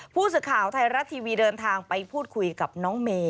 ผู้สื่อข่าวไทยรัฐทีวีเดินทางไปพูดคุยกับน้องเมย์